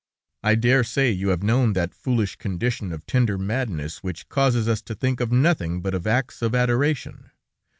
I dare say you have known that foolish condition of tender madness, which causes us to think of nothing but of acts of adoration!